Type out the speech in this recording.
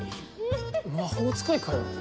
魔法使いかよ！